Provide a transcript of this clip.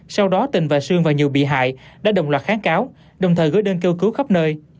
sau đó tình và sương và nhiều bị hại đã đồng loạt kháng cáo đồng thời gửi đơn kêu cứu khắp nơi